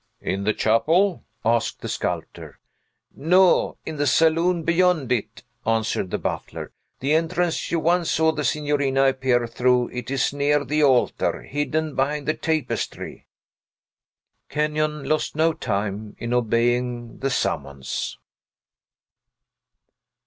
"In the chapel?" asked the sculptor. "No; in the saloon beyond it," answered the butler: "the entrance you once saw the signorina appear through it is near the altar, hidden behind the tapestry." Kenyon lost no time in obeying the summons.